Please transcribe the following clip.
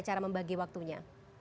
cara membagi waktunya